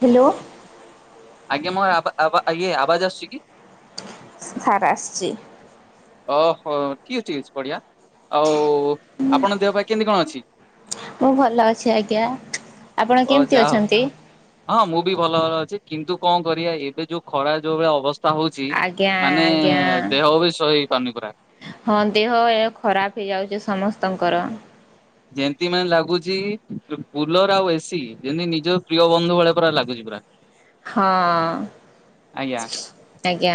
Hello ଆଜ୍ଞା ମୋର ଆବା ଆଵା ଇଏ ଆବାଜ ଆସୁଛି କି ସାର ଆସୁଛି ଓହୋ ଠିକ ଅଛି ଅଛି ବଡିଆ ଆଉ। ଆପଣ ଦେହ ପା କେ କେମିତି କଣ ଅଛି। ମୁଁ ଭଲ ଅଛି ଆଜ୍ଞା। ଆପଣ ଓ କେମିତି ଯାହ ଅଛନ୍ତି? ହଁ ମୁଁ ବି ଭଲ ଭଲ ଅଛି। କିନ୍ତୁ କଣ କରିବା ଏବେ ଯୋଉ ଖରା ଯୋଉ ଭଳି ଅବସ୍ ତା ହଉଛି ଆଜ୍ଞା ମାନେ ଆଜ୍ଞା। ଦେହ ବି ଶହି ତନି ପୁରା। ହଁ ଦେହ ଏ ଖରାପ ହେଇଯାଉଛି ସମସ୍ତଙ୍କର। ଯେମତି ମାନେ ଲାଗୁଛି କୁଲର ଆଉ ଏସି ଯେମିତି ନିଜ ପ୍ରିୟ ବନ୍ଧୁ ଭଳିଆ ପରା ଲାଗୁଛି ପୁରା। ହଁ ଆଜ୍ଞା ଆଜ୍ଞା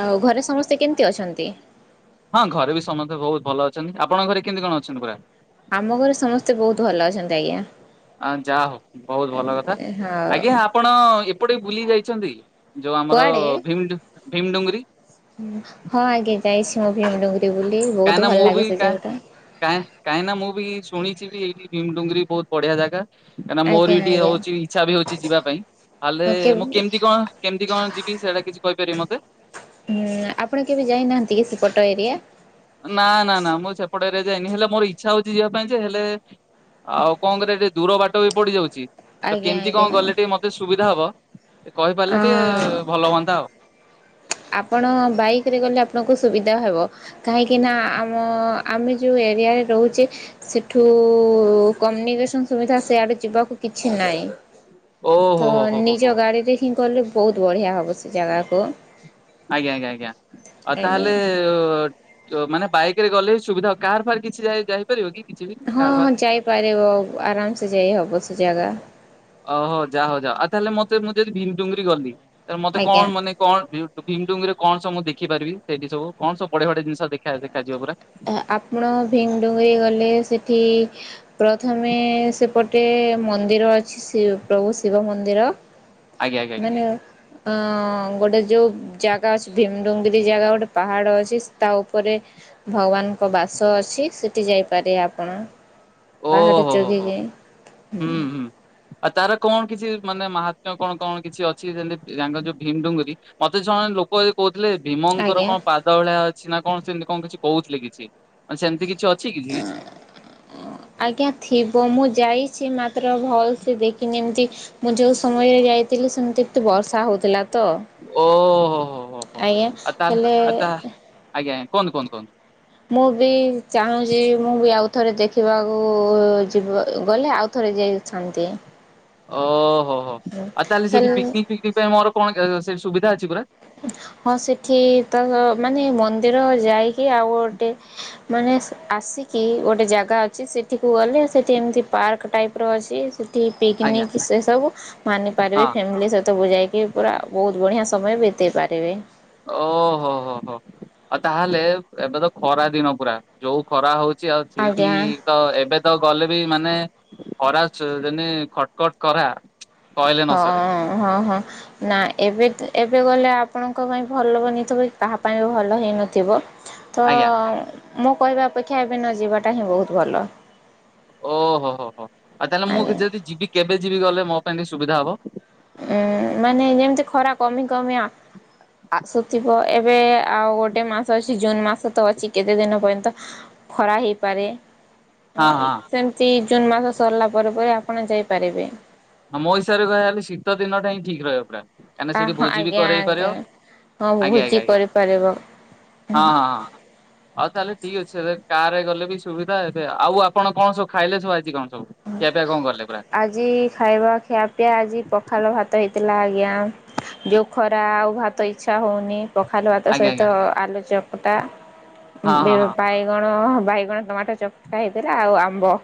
ଆଉ ଘରେ ସମସ୍ତେ କେମତି ଅଛନ୍ତି। ହଁ ଘରେ ବି ସମତେ ବହୁତ ଭଲ ଅଛନ୍ତି ଆପଣଙ୍କ ଘରେ କେମିତି କଣ ଅଛନ୍ତି ପୁରା। ଆମ ଘରେ ସମସ୍ତେ ବହୁତ ଭଲ ଅଛନ୍ତି ଆଜ୍ଞା। ଆ ଯାହା ହଉ ବହୁତ ଭଲ କଥା ହଉ ଆଜ୍ଞା ଆପଣ ଏପ ଏପଟେ ବୁଲି ଯାଇଛନ୍ତି। ଯୋଉ ଆମର ଭିମ ଡି ଥା [unintelligible] ଭିମଡୁଙ୍ଗରି। ହୁଁ ହଁ ଆଜ୍ଞା ଯାଇଛି ମୁଁ ଭୀମଡୁଙ୍ଗୁରି। କାଇଁ ନା ମୁଁ ବି କାଇଁ କାଇଁ କାଇଁ ନା ମୁଁ ବି ଶୁଣିଛି। କି ଏଇିଠି ଭୀମଡୁଙ୍ଗରି ବହୁତ ବଢିଆ ଜାଗା। କାଇଁ ନା ମୋର ଆଜ୍ଞା ବି ଟିକେ ଆଜ୍ଞା। ହଉଛି ଇଛା ବି ହଉଛି ଯିବା ପାଇଁ ହଲେ ହଁ କେବେ ମୁଁ କେମିତି କଣ କେମିତି କଣ ଯିବି ସେଇଟା କିଛି କହିପାରିବି ମତେ। ହ। [unintelligible] ହୁଁ ଆପଣ କେବେ ଯାଇ ନାହାନ୍ତି କି ସେପଟ ଏରିଆ। ନା ନା ନା ମୁଁ ସେପଟ ଏରୀୟା। ଯାଇନି ହେଲେ ମୋର ଇଚ୍ଛା ହଉଛି ଯିଆ ପାଇଁ ଯେ ହେଲେ ଆଉ କଣ କରିବା ଟିକେ ଦୂର ବାଟ ବି ପଡି ଯାଉଛି। ତ ଆଜ୍ଞା କେମିତି ଆଜ୍ଞା। କଣ ଗଲେ ଟିକେ ମତେ ସୁବିଧା ହବ। କହିପାରିଲେ ଟିକେ ଅଁ ଭଲ ହୁଅନ୍ତା ଆଉ। ଆପଣ ବାଇକରେ ଗଲେ ଆପଣଙ୍କୁ ସୁବିଧା ହେବ କାହିଁକି ନା ଆମ ଆମେ ଯୋଉ ଏରିଆରେ ରହୁଛେ ସେଠୁ କମନିକେସନ୍ ସୁବିଧା ସିଆଡ଼େ ଯିବାକୁ କିଛି ନାଇଁ। ଓହୋ ତ ହୋ ହୋ ହୋ ହୋ ନିଜ ଗାଡି ରେ ହିଁ। ଗଲେ ବହୁତ ବଢ଼ିଆ ହବ ସେ ଜାଗାକୁ। ଆଜ୍ଞା ଆଜ୍ଞା ଆଜ୍ଞା ଆଉ ଆଜ୍ଞା। ତାହେଲେ ମାନେ। ବାଇକରେ ଗଲେ ସୁବିଧା ହ କାର୍ ଫାର୍ କିଛି ଯାଇପାରିବ କି? କିଛି ବି କାର ଫାର? ହଁଁ ଯାଇପାରିବ ଆରାମ ସେ ଯାଇ ହବ ସେ ଜାଗା। ଓହୋ ଯାହଉ ଯା ଆଉ ତାହେଲେ ମତେ ମୁଁ ଯଦି ଭିମ ଟୁଙ୍ଗରି ଗଲି ମତେ ଆଜ୍ଞା। କଣ ମାନେ କଣ ଭିମଡୁଙ୍ଗରେ କଣ ସବଁ ଦେଖିପାରିବି ସେଠି ସବ କଣ ସୁ ବଢଆ ବଢିଆ ଜିନିଷ ଦେଖ ଦେଖାଯିବ ପୁରା? ଆପଣ ଭିମଡୁଙ୍ଗରି ଗଲେ ସେଠି ପ୍ରଥମେ ସେପଟେ ମନ୍ଦିର ଅଛି ଶି ପ୍ରଭୁ ଶିବ ମନ୍ଦିର ଆଜ୍ଞା ଆଜ୍ଞା ମାନେ ଆଜ୍ଞା। ଅ ଗୋଟେ ଯୋଉ ଜାଗା ଅଛି ଭୀମଡ଼ୁଙ୍ଗିରି ଜାଗା ଗୋଟେ ପାହାଡ଼ ଅଛି ତା ଉପରେ ଭଗବାନଙ୍କ ବାସ ଅଛି ସେଇଠି ଯାଇପାରେ ଆପଣ ପାହାଡ଼ ଓହୋ ହୋ ହୋ ଚଡ଼ିଲେ ହୁଁ ହୁଁ ଆଉ ତାର କଣ କିଛି ମାନେ ମହାତ୍ମ୍ୟ କଣ କଣ କିଛି ଅଛି ଯେତିଙ୍କ ଯୋଉ ଭୀମ ଡୁଙ୍ଗୁରି ମତେ ଜଣେ ଲୋକ କହୁ ଥିଲେ ଭୀମଙ୍କର ଆଜ୍ଞା କଣ ପାଦ ଭଳିଆ ଅଛି କିଛି ନା କଣ ସେମିତି କଣ କିଛି କହୁଥିଲେ କିଛି ମାନେ ସେମିତି କିଛି ଅ ଆଜ୍ଞା ଥିବ ମୁଁ ଯାଇଛି ମ ତ୍ର ଭଲ ଦେଖିନି ଯେମିତି ମୁ ଯୋଉ ସମୟରେ ଯାଇଥିଲି ସେମିତି ଏତେ ବର୍ଷା ହେଉଥିଲା। ତ ଓହୋ ହୋ ହୋ ହୋ ଆଜ୍ଞ ଆଉ ତା ହେଲେ ଆଉ ତା ଆଜ୍ଞା ଆଜ୍ଞା କୁହନ୍ତୁ କୁହନ୍ତୁ କୁହନ୍ତୁ । ମୁଁ ବି ଚାହୁଁଛି ମୁଁ ବି ଆଉ ଥରେ ଦେଖିବାକୁ ଯିବ ଗଲେ ଆଉ ଥରେ ଯାଇଛନ୍ତି। ଓ। ଓ ହୋ ଆଉ ତାହେଲେ ସେଠିି ହେଲେ ପିକନିକ୍ ପିକିନିକ ପାଇଁ ମୋର କଣ ସୁବି ଅଛି ପୁରା ହଁ ସେଠି ତ ମାନେ ମନ୍ଦିର ଯାଇକି ଆଉ ଗୋଟେ ମାନେ ଆସିକି ଗୋଟେ ଜାଗା ଅଛି ସେଠିକୁ ଗଲେ ସେଠି ଏମିତି ପାର୍କ ଟାଇପ ର ଅଛି। ଆଜ୍ଞା ପିକନିକ୍ ସେ ସବୁ ମାନି ପାରିବେ ହଁ ଫ୍ୟାମିଲି ସହିତ ବୁ ଯାଇକି ପୁରା ବହୁତ ବଢ଼ିଆ ସମୟ ବ ତେପାରିବେ। ଓହୋ ହୋ ହୋ ଆଉ ତାହେଲେ ଏବେ ତ ଖରା ଦିନ ପୁରା ଯୋଉ ଖରା ହଉଛି ଆଉ ସେଇଠି ଆଜ୍ଞା ତ ଏବେ ତ ଗଲେ ବି ମାନେ ଖରା ଯଦି ଖଟ ଖଟ କରା ହଁ ହଁ ହଁ ନା ଏବେ ଏବେ ଗଲେ ଆପଣଙ୍କ ପାଇଁ ଭଲ ବନିଥିବ କାହା ପାଇଁ ବି ଭଲ ହେଇନଥିବ। ତ ଆଜ୍ଞା ମୁଁ କହିବା ଅପେକ୍ଷା ଏବେ ନ ଯିବାଟା ହିଁ ବହୁତ ଭଲ। ଓହୋ ହୋ ହୋ ଆଉ ତାହେଲେ ମୁଁ ଆଜ୍ଞା ଯଦି ଯିବି କେବେ କେବେ ଯିବି ଗଲେ ମୋ ପାଇଁ ସୁବିଧା ହବ ଉଁ ମାନେ ଯେମିତି ଖରା କମି କମିଆ ଆ ସତି ଏବେ ଆଉ ଗୋଟେ ମାସ ଅଛି ଜୁନ୍ ମାସ ତ ଅଛି କେତେ ଦିନ ପାଁଇ ତ ଖରା ହେଇପାରେ ହଁ ସେମିତି ଜୁନ ମାସ ସରିଲା ପରେ ପରେ ଆପଣ ଯାଇପାରିବେ। ଆଁ ମୋ ହିସାବରେ କହିବାକୁ ଗଲେ ଶୀତ ଦିନଟା ହିଁ ଠିକ୍ ରହିବ ପୁରା। କାହିଁକିନା ଆ ସେଠି ହ ଭୋଜି ବି ଆଜ୍ଞା କରେଇ ପାରିବ ଆଜ୍ଞା ହଁ ଆଜ୍ଞା ଆଜ୍ଞା ଭୋଜି ଆଜ୍ଞା କରିପାରିବ ହୁଁ। ହଉ ତାହେଲେ ଠିକ ଅଛି କାର୍ ର ରେ ଗଲେ ବି ସୁବିଧା ଏବେ ଆଉ ଆପଣ କଣ ସବୁ ଖାଇଲେ ସବୁ ଆଜି କଣ। ସବୁ ଖିଆପିଆ କଣ କରିଲେ ପୁରା । ପୁରା ଖିଆପିଆ ଆଜି ପଖାଳ ଭାତ ହେଇ ଥିଲା ଆଜ୍ଞା ଯେଉଁ ଖରା ଆଉ ଭାତ ଇଚ୍ଛା ହଉନି। ପଖାଲ ଭାତ ଆଜ୍ଞା ଆଜ୍ଞା ସହିତ ଆଲୁଚପ। ଖଟା ହଁ ହଁ ହଁ। ବି-ବାଇଗଣ । ବାଇଗଣ ଟମାଟୋ ଚକଟା ହେଇଥିଲା ଆଉ ଆମ୍ବ।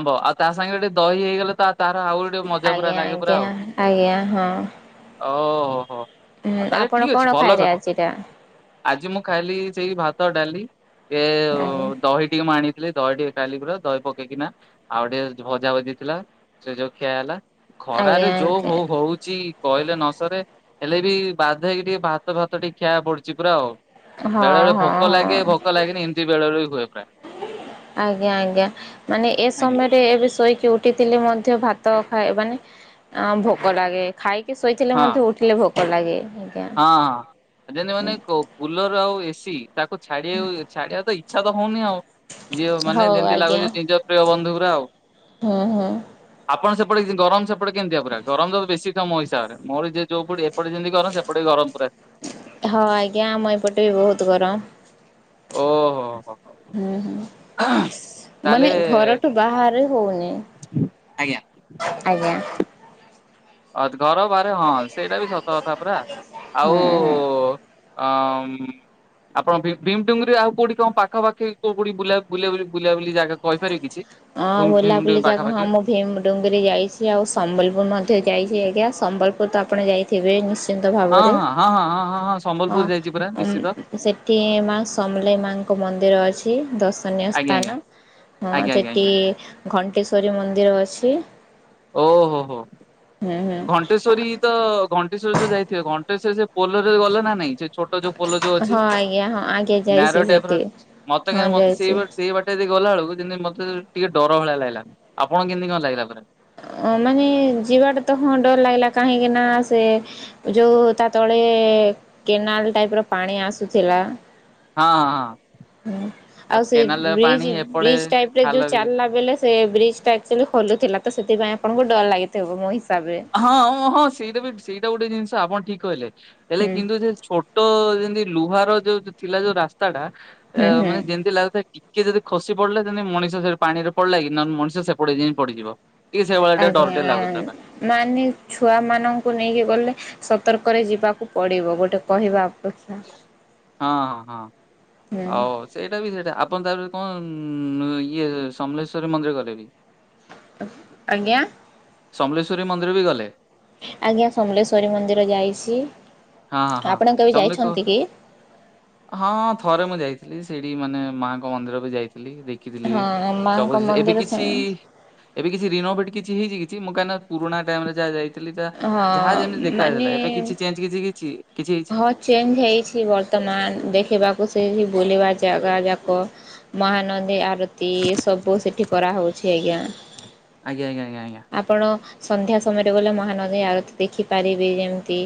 ହବ ଆଉ ତା ସାଙ୍ଗରେ ଟିକେ ଦହି ହେଇଗଲେ ତ ଆଜ୍ଞା ଆଜ୍ଞା ଆଜ୍ଞା ହଁ। ଓହୋ। ଆଉ ହୁଁ ତାହେଲେ ଠିକ ଆପଣ ଅଛି କଣ ଭଲ ଖାଇଲେ କଥା ଆଜିଟା। ଆଜି ମୁଁ ଖାଇଲି ସେଇ ଭାତ ଡାଲି। ଏ ଆଜ୍ଞା ଦହି ଟିକେ ମୁଁ ଆଣି ଖାଲି ଦହି ଟିକେ ଖାଇଲି ପୁରା ଦହି ପକେଇକି ନା ଆଉ ଟିକେ ଭଜା ଭଜିଥିଲା ସେ ଯୋଉ ଖିଆ ହେଲା। ଆଜ୍ଞା ଖରାରେ ଯୋଉ ଆଜ୍ଞା। ହ ହଉଛି କହିଲେ ନ ସରେ। ହେଲେ ବି ବାଧ୍ୟ ହେଇକି ଟିକେ ଭାତ ଭାତ ଟିକେ ଖିଆହବାକୁ ପଡୁଛି ପୁରା ଆଉ। ବେଳେ ହଁ ବେଳେ ହଁ ଭୋକ ଲାଗେ ହଁ ଭୋକ ଲାଗେନି ଏମିତି ବେଳେ ବେଳେ ବି ହୁଏ ପ୍ରାୟ ଆଜ୍ଞା ଆଜ୍ଞା ମାନେ ଏ- ଆଜ୍ଞା ସମୟରେ ଏବେ ଶୋଇକି ଉଠିଥିଲେ ମଧ୍ୟ। ଭାତ ଖାଇ ବାନି ଆଉ ଭୋକ ଲାଗେ ଖାଇ ଶୋଇଥିଲେ ହଁ ମଧ୍ୟ ଉଠିଲେ ଭୋକ। ତ ଲାଗେ। ଆଜ୍ଞା। ହଁ ହଁ ଜେନେ ମାନେ କୁ୍ଲର ଆଉ। A C. ତାକୁ ଛାଡିଆକୁ ଛାଡିବ ଇଚ୍ଛା ତ ହଉନି ଆଉ। ଏ ମାନେ ହଉ ଯେମିତି ଆଜ୍ଞା ଲାଗୁଛି ନିଜ ପ୍ରିୟ ବନ୍ଧୁ ଗୁରା ଆଉ ହୁଁ ହୁଁ ଆପଣ ସେ ଗରମ ସେ କେମିତିଆ ପୁରା ଗରମ ତ ବେଶୀ। ମୋ ହିସାବରେ ମୋର ଯ ଯୋଉ ଏପଟେ ଯେମିତି ଗରମ ସେ ସେପଟେ ବି ଗରମ ପୁରା ହଁ ଆଜ୍ଞା ଆମ ଏପଟେ ବି ବହୁତ ଗରମ ଓହୋ ହୋ ହୋ ହୁଁ ହୁଁ ତାହେଲେ ମାନେ ଘରଠୁ ବାହାରେ ହଉନି ଆଜ୍ଞା। ଆଜ୍ଞା ଆଜ ଘର ବାହାରେ ହଁ ସେଇଟା ବି ସତ କଥା ପୁରା ଆଉ ହୁଁ ହୁଁ। ଅ ଆପଣ ଭୀମଡୁଙ୍ଗରେ ଆଉ କଉଠି କଣ ପାଖାପଖି କଉ କଉଠି ବୁଲାବୁଲି ଜାଗା କହିପାରିବେ କିଛି? ହଁ ଭୀମଡୁଙ୍ଗି ବୁଲାବୁଲି ଯାକ ହଁ ପାଖାପାଖି ମୁଁ ଭୀମଡୁଙ୍ଗିରିରେ ଯାଇଛି ଆଉ ସମ୍ବଲପୁର ମଧ୍ୟ ଯାଇଛି ଆଜ୍ଞା ସମ୍ବଲପୁର ତ ଆପଣ ଯାଇଥିବେ ନିଶ୍ଚି ନ୍ତ ହଁ ଭାବରେ ହଁ ହଁ ହଁ ହଁ ହଁ ହଁ ହ ସମ୍ବଲପୁର ଯାଇଛି ପୁରା ନିଶ୍ଚିତ। ସେଠି ମା ସମଲେଇ ମାଙ୍କ ମନ୍ଦିର ଅଛି ଦର୍ଶନୀୟ ଆଜ୍ଞା ସ୍ଥାନ ଆଜ୍ଞା ହ ଆଜ୍ଞା ଆଜ୍ଞା ଏ ଆଜ୍ଞା ଘଣ୍ଟେଶ୍ଵରୀ ମନ୍ଦିର ଅଛି। ଓ ହୋ ହୋ ହୁଁ ହୁଁ ଘଣ୍ଟେଶ୍ଵରୀ ତ ଘ ଶ୍ୱରୀ ତ ଯାଇଥିବେ ଘଣ୍ଟେଶ୍ଵ ସେ ପୋଲରରେ ଗଲେ ନା ନାଇଁ? ଛୋଟ ଯୋଉ ପୋଲ ଯୋଉ ଅଛି ହଁ ଆଜ୍ଞା ହଁ ଆଜ୍ଞା ଯାଇଛି ନାରୋ ଟାଇପର ସେଠି ମତେ ହଁ କାହିଁକି ମତେ ସେଇ ଯାଇଛି ସେଇ ବାଟେ ଯ ଗଲା ବେଳକୁ ଯେମିତି ମତେ ଟିକେ ଡର ଭଳିଆ ଲାଗିଲା ଆପଣଙ୍କୁ କେମିତି କଣ ଲାଗିଲା ପରା? ମାନେ ଯିବାଟା ତ ହଁ ଡର ଲାଗିଲା କାହିଁକି ନା ସେ ଯୋଉ ତା ତଳେ କେନାଲ ଟାଇପ ର ପାଣି ଆସୁଥିଲା। ହଁଁ ହଁ ହଁ ଆଉ ସେ କେନାଲ ପାଣି ବ୍ରିଜ ଏପଟେ ବ୍ରିଜ ଟାଇପରେ ଖାଲ ଯୋଉ ବି ଚାଲିଲା ବେଳେ ସେ ବ୍ରିଜଟା ଆକଚୋଲି ଖୋଲୁଥିଲା। ତ ସେଥିପାଇଁ ଆପଣଙ୍କୁ ଡର ଲାଗିଥିବ ମୁଇଁ। ହଁ ହଁ ସେଇଟା ବି ସେଇଟା ଗୋଟେ ଜିନିଷ ଆପଣ ଠିକ କହିଲେ ହେଲେ ହୁଁ କିନ୍ତୁ ସେ ଛୋଟ ଯେମିତି ଲୁହାର ଯୋଉ ଥିଲା ଯୋଉ ରାସ୍ତାଟା ଅ ହୁଁ ହୁଁ ମାନେ ଯେମତି ଲାଗୁଥାଏ ଟିକେ ଯଦି ଖସି ପଡିଲା ଯେମିତି ମଣିଷ ସେ ପାଣି ରେ ପଡିଲା କି ନେ ମଣିଷ ସେପଟେ ପଡିଯିବ। ଟିକେ ସେଇ ଭଳିଟେ ଡର ଟେ ଆଜ୍ଞା ଲାଗୁଥିଲା। ମାନେ ଛୁଆ ମାନଙ୍କୁ ନେଇକି ଗଲେ ସତର୍କରେ ଯିବାକୁ ପଡିବ ଗୋଟେ କହିବା ଅପେକ୍ଷା ହଁ ହଁ ହଁ ହୁଁ ଆଉ ସେଇଟା ବି ସେଇଟା ଆପଣ ତା କଣ ଇଏ ସମଲେଶଵରୀ ମନ୍ଦିର ଗଲେ ବି ଆଜ୍ଞା ସମଲେଶ୍୍ୱରୀ ମନ୍ଦିର ବି ଗଲେ ଆଜ୍ଞା ସମଲେଶ୍ଵରୀ ମନ୍ଦିର ଯାଇଛି। ହଁ ହଁ ହଁ ଆପଣ କେବେ ସମ କହ ଯାଇଛନ୍ତି କି? ହଁ ଥରେ ମୁଁ ଯାଇଥିଲି। ସେଇଠି ମାନେ ମାଙ୍କ ମନ୍ଦିର ବି ଯାଇ ଦେଖିଥିଲିବି ହଁ ମାଙ୍କ ଏବେ ମନ୍ଦିର କିଛି ଶୁଣ ସବୁ ଜିଣି ଏବେ କିଛି ରିନୋଭେଟ କିଛି ହେଇଛି କି? ମୁ କାଇଁ ନା ପୁରୁଣା ଟାଇମ ରେ ଯାହା ଯାଇଛି। ଥିଲ ହଁ ଯାହା ଯେମିତି ମାନେ ଦେଖାଥିଲା ଏବେ କିଛି ଚେଞ୍ଜ କିଛି କି? ହଁ ଚେଞ୍ଜ ହେଇଛି ବର୍ତ୍ତମାନ ଦେଖିବାକୁ ସେଠି ବୁଲିବା ଯାକ ଲଗା ଯାକ ମହାନଦୀ ଆରତି ସବୁ ସେଠି କରାହେଉଛି ଆଜ୍ଞା। ଆଜ୍ଞା ଆଜ୍ଞା ଆଜ୍ଞା ଆଜ୍ଞା ଆପଣ ସନ୍ଧ୍ୟା ସମୟରେ ଗଲେ ମହାନଦୀ ଆର ଦେଖିପାରିବି ଯେମିତି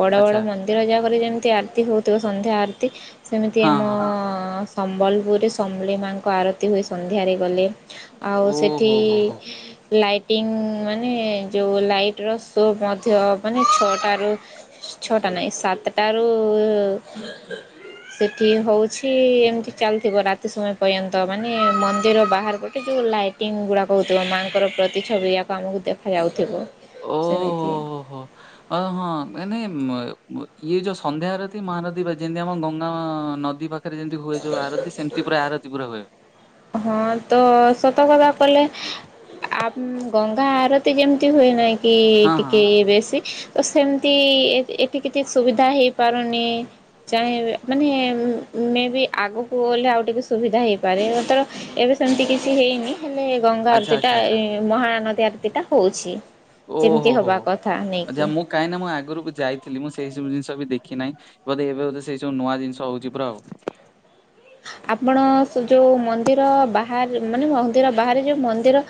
ବଡ ବଡ ଆଚ୍ଛା। ମନ୍ଦିର ଯାହାକରି ଯେମତି ଆରତି ହଉଥିବ ସନ୍ଧ୍ୟା ଆରତି ସେମିତି ହଁ ଆମ ହଁ ସମ୍ବଲପୁରରେ ସମଲେଇ ମାଙ୍କ ଆରତୀ ହୁ ସନ୍ଧ୍ୟାରେ ଗଲେ। ଆଉ ସେଠି ଓହୋ ହୋ ହୋ ଲାଇଟ ଇଂ ମାନେ ଯୋଉ ଲାଇଫ୍ ର ସୋପ ମଧ୍ୟ ମାନେ ଛଅଟ ର ଛଅଟା ନାହିଁ ସାତଟାରୁ ସେଠି ହଉଛି ଏମିତି ଚାଲିଥିବ ରାତି ସମୟ ପର୍ଯ୍ୟନ୍ତ ମାନେ ମନ୍ଦିର ବାହାର ପଟେ ଯୋଉ ଲାଇଟିଙ୍ଗ ଗୁଡାକ ହଉଥିବ ମାଙ୍କର ପ୍ରତିଛବି ୟାକ ଆମକୁ ଦେଖାଯ ଯାଉଥିବ। ଓହୋ ହୋ ହୋ ଅ ହଁ ମାନେ ଇଏ ଯୋଉ ସନ୍ଧ୍ୟା ଆରତୀ ମହାନଦୀ ବା ଯେମିତି ଆମ ଗଙ୍ଗା ନଦୀ ପାଖରେ ପାଖରେ ଯେମତି ହୁଏ ଯାଉ ଆରତି ସେମତି ପୁରା ଆରତି ପୁରା ହୁଏ। ହଁ ତ ସତ କଥା କଲେ ଆ ଗଙ୍ଗା ଆରତି ଯେମିତି ହୁଏ ନାହିଁ। କି ହଁ ହଁ ଟିକେ ବେଶୀ ତ ସେମିତି ଏଠି କିଛି ସୁବିଧା ହେଇପାରୁନି ଚାହିେଁବେ ମାନେ ମେ ବି ଆଗକୁ ଗଲେ ଆଉ ଟିକେ ସୁବିଧା ହେଇପାରେ ତର ଏବେ ସେମିତି କିଛି ହେଇନି। ହେଲେ ଗଙ୍ଗା ଆଚ୍ଛା ଆରତୀ ଆଚ୍ଛା ଟା ଆଚ୍ଛା ଏ ମହାନଦୀ ମିତିକା ହଉଛି। ଯେମିତି ଓହୋ ହୋ ହବା କଥା ଆଛ ନେଇକି ମୁଁ କାହିଁକି ନା ମୁଁ ଆଗରୁକୁ ଯାଇଥିଲି ମୁଁ ସେଇ ସବୁ ଜିନିଷ ଦେଖି ନାହିଁ ବୋଧେ ଏବେ ବୋଧ ସେଇ ସବୁ ନୂଆ ଜିନିଷ ହଉଛି ପୁରା ଆଉ। ଆପଣ ଯୋଉ ମନ୍ଦିର ବାହାରେ ମାନେ ମନ୍ଦିର ବାହାରେ ଯୋଉ ମନ୍ଦିର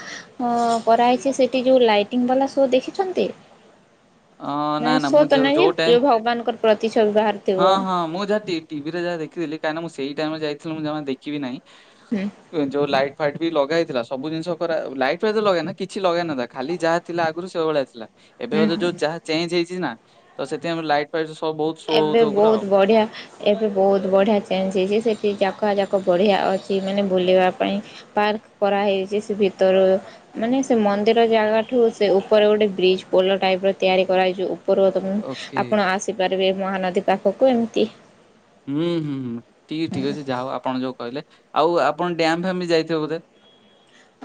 କରାହେଇଛି ସେଠି ଯୋଉ ଲାଇଟିଙ୍ଗ ବାଲା ସୋ ଦେଖିଛନ୍ତି? ଅଁ ନା ନାଇଁ ନା ସୋ ମୁଁ ତ ଯ ନାଇଁ ଯେ ଯୋଉଟା ପ୍ରିୟ ଭଗବାନଙ୍କର ପ୍ରତିଛବି ବାହାରିଥିବ। ହଁ ହଁ ମୁଁ ଯାହା ଟିଭିରେ ଯାହା ଦେଖିଥିଲି କାହିଁକ ମୁ ସେଇ ଟାଇମରେ ଯାଇଥିଲ ମୁଁ ଜମା ଦେଖିବି ନାହିଁ। ହୁଁ ଯୋଉ ଲାଇଟ୍ ଫାଇଟ ବି ଲଗା ହେଇଥିଲା ସବୁ ଜିନିଷ କରା ଲାଇଟ୍ ଫାଇଟ ଲଗା ନା କିଛି ଲଗାହେଇ ନଥିଲା ଖାଲି ଯାହା ଥିଲା ଆଗରୁ ସେ ଭଳିଆ ଥିଲା। ଏବେ ହୁଁ ବୋଧେ ହୁଁ ଯୋଉ ଯାହା ଚେଞ୍ଜ ହେଇଛି ନା ତ ସେଥି ପାଇଁ ଆମେ ଲାଇଟ୍ ପାଇଟ୍ ଏବେ ବହୁତ ବଢିଆ ଏବେ ବହୁତ ବଢିଆ ଚେଞ୍ଜ ହେଇଛି ସେଠି ଯାକ ଯା ବଢ଼ିଆ ଅଛି ମାନେ ବୁଲିବା ପାଇଁ ପାର୍କ କରାହେଇଛି ସେ ଭିତରୁ ମାନେ ସେ ମନ୍ଦିର ଜାଗାଠୁ ସେ ଉପରେ ଗୋଟେ ବ୍ରିଜ୍ ପୋଲ ଟାଇପ ତିଆରି କରାଯାାଇଛି ପୂର୍ବତମ ଓକେ ଆପଣ ଆସିବ ଏବେ ମହାନଦୀ ପାଖକୁ ଏମିତି ହୁଁ ହୁଁ ହୁଁ ଟିକେ ଠିକ ଅଛି ଯାହା ହଉ ଆପଣ ଯୋଉ କହିଲେ ଆଉ ଆପଣ ଡ୍ୟାମ୍ ଫାମ ବି ଯାଇଥିବେ ବୋଧେ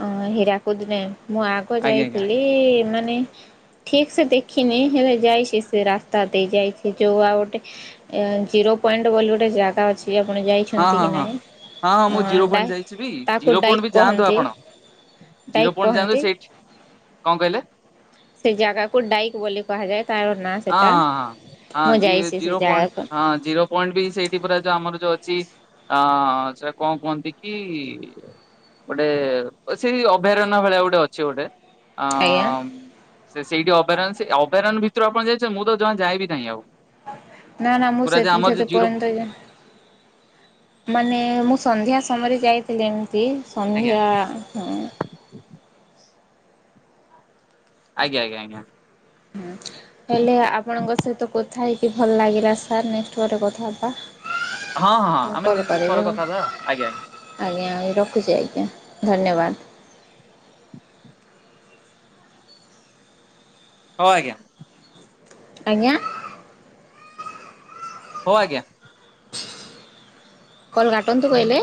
ଅ ହୀରାକୁଦିନେ ମୁଁ ଆଗ ଆଜ୍ଞା ଆଜ୍ଞା ଯାଇଥିଲି ମାନେ ଠିକ ସେ ଦେଖିନି ହେଲେ ଯାଇଛି ସେ ରାସ୍ତା ଦେଇ ଯାଇଛି ଯୋଉ ଆଉ ଗୋଟେ ଜିରୋ ପଏଣ୍ଟ ବୋଲି ଗୋଟେ ଜାଗା ଅଛି ସିଏ ଆପଣ ହଁ ଯାଇଛନ୍ତି ହଁ କି ହଁ ହଁ ହଁ ମୁଁ ଜିରୋ ନାହିଁ ଡ ପଏଣ୍ଟ ଯାଇଛି ବି ତାକୁ ଜିରୋ ପଏଣ୍ଟ ଡାଇକ୍ ବି ଯାଆନ୍ତୁ କହନ୍ତି ଆପଣ ଜିରୋ ଡାଇକ୍ ପଏଣ୍ଟ ଯାଣୁ କହନ୍ତି ସେଇଠି କଣ କହିଲେ ସେ ଜାଗାକୁ ଡାଇକ୍ ବୋଲି କୁହାଯାଏ ତାର ନାଁ ହଁ ସେଟା। ହଁ ହଁ ମୁଁ ହଁ ଯାଇଛି ସେ ଜିରୋ ପଏଣ୍ଟ ଜାଗାକୁ ହଁ ଜିରୋ ପଏଣ୍ଟ ବି ସେଇଠି ପୁରା ଆମର ଯୋଉ ଅ ଅଛି ଆ ସେଟା କଣ କୁହନ୍ତି କି ଗୋଟେ ସେଇ ଅଭୟାରଣ୍ୟ ଭଳିଆ ଗୋଟେ ଅଛି ଗୋଟେ ଆ ଆଜ୍ଞା ସେ ସେଇଠି ଅଭୟାରଣ ଅଭାରଣ ଭିତରେ ଯିବେ ଆପଣ ଯାଇେ ମୁଁ ତ ଜମା ଯଏବି ନାହିଁ ଆଉ ନା ନା ମୁଁ ପୁରା ସେ ଯେ ଆମର ସେତେ ଯୋଉ ଜିରୋ ପର୍ଯ୍ୟନ୍ତ ମାନେ ମୁଁ ସନ୍ଧ୍ୟା ସମୟରେ ଯାଇଥିଲି ଛି ଆଜ୍ଞା ସନ୍ଧ୍ୟା ହୁଁ ଆଜ୍ଞା ଆଜ୍ଞା ଆଜ୍ଞା ହ ହେଲେ ଆପଣଙ୍କ ସହିତ କଥା ହେଇକି ଭଲ ଲାଗିଲା ସାର୍ ପରେ କଥା ହବା ହଁ ହଁ ମୁଁ ଆମେ କଲ୍ ପରେ କରିବି କଥା ହବା ଆଜ୍ଞା ରଖୁଛି ଆଜ୍ଞା ଧନ୍ୟବାଦ ହଁ ଆଜ୍ଞା ଆଜ୍ଞା ହଉ ଆଜ୍ଞା କଲ କାଟନ୍ତୁ କହିଲେ